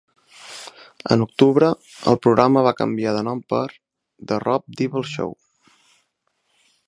En octubre, el programa va canviar de nom per "The Rob Dibble Show".